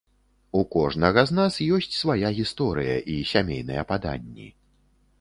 У кожнага з нас ёсць свая гісторыя і сямейныя паданні.